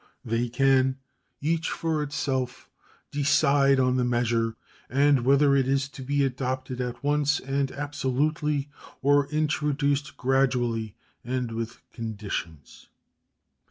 They can, each for itself, decide on the measure, and whether it is to be adopted at once and absolutely or introduced gradually and with conditions.